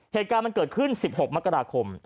เหตุการณ์มันเกิดขึ้น๑๖มกราคม